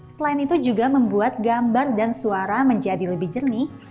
selain itu juga membuat gambar dan suara menjadi lebih jernih